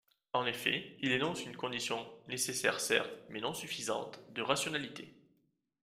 En effet, il énonce une condition, nécessaire certes, mais non suffisante, de rationalité.